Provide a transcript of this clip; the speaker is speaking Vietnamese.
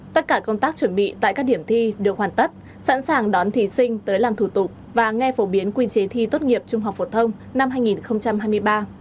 tất cả công tác chuẩn bị tại các điểm thi được hoàn tất sẵn sàng đón thí sinh tới làm thủ tục và nghe phổ biến quy chế thi tốt nghiệp trung học phổ thông năm hai nghìn hai mươi ba